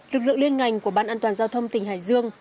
lực lượng liên ngành của ban an toàn giao thông tỉnh hải dương